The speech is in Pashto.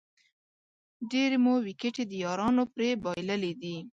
ډېرې مو وېکټې د یارانو پرې بایللې دي